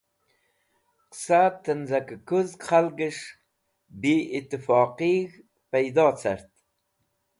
Qẽsa tẽnz̃akẽ kuzg khalges̃h bi itifoqig̃h pẽydo cart.